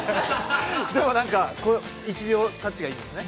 ◆でも、なんか１秒タッチがいいんですね。